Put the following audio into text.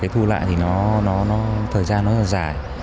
thu lại thì nó nó nó thời gian nó rất là dài